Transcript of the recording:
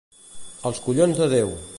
Als collons de Déu.